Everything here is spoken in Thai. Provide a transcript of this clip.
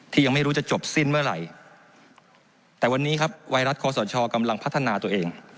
ยังไม่รู้จะจบสิ้นเมื่อไหร่แต่วันนี้ครับไวรัสคอสชกำลังพัฒนาตัวเอง